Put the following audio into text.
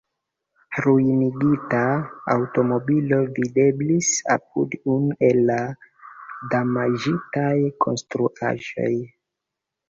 Ruinigita aŭtomobilo videblis apud unu el la damaĝitaj konstruaĵoj.